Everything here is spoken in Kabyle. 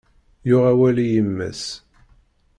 Yuɣ awal i yemma-s.